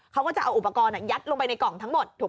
เขาก็จะเอาอุปกรณ์ยัดลงไปในกล่องทั้งหมดถูก